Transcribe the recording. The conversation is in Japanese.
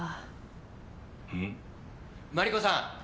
マリコさん。